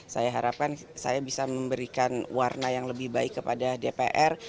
saya harapkan saya bisa memberikan warna yang lebih baik kepada dpr